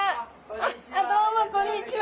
あどうもこんにちは。